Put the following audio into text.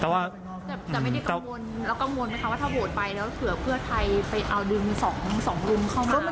ว่าถ้าโหดไปแล้วเผื่อเพื่อไทย